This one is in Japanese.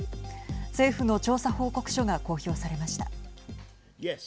政府の調査報告書が公表されました。